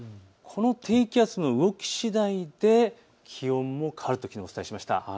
この低気圧の動きしだいで気温も変わるときのうお伝えしました。